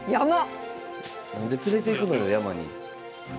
何で連れていくのよ山に。